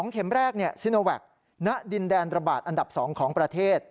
เข็มแรกซิโนแวคณดินแดนระบาดอันดับ๒ของประเทศ